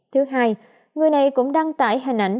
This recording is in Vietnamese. thứ hai người này cũng đăng tải hình ảnh